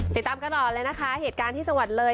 ติดตามกันอ่อนเลยนะคะเหตุการณ์ที่สวัสดิ์เลย